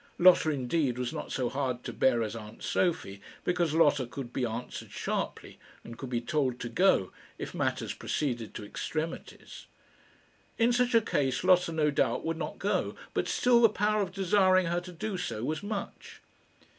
Lotta, indeed, was not so hard to bear as aunt Sophie, because Lotta could be answered sharply, and could be told to go, if matters proceeded to extremities. In such a case Lotta no doubt would not go; but still the power of desiring her to do so was much.